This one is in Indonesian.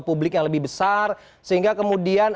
publik yang lebih besar sehingga kemudian